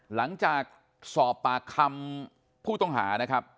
หลังจากสอบปากคำผู้ต่อหา